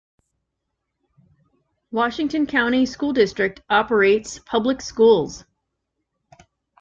Washington County School District operates public schools.